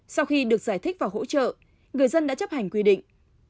sau khi được giải thích và hỗ trợ người dân đã chấp hành quy định